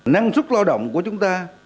năng suất lao động của chúng ta